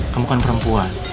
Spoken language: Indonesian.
kamu kan perempuan